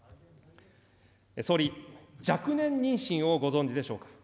総理、若年妊娠をご存じでしょうか。